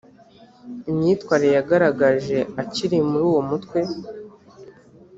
imyitwarire yagaragaje akiri muri uwo mutwe.